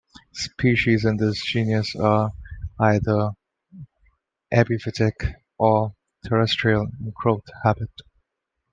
Species in this genus are either epiphytic or terrestrial in growth habit.